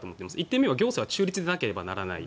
１点目は行政は中立でなければいけない